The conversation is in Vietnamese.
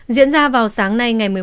diễn ra vào sáng nay ngày một mươi một